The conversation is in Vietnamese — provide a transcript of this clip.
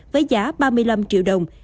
với giá ba mươi năm triệu đồng